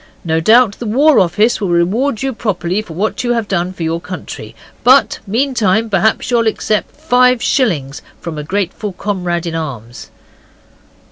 No doubt the War Office will reward you properly for what you have done for your country. But meantime, perhaps, you'll accept five shillings from a grateful comrade in arms.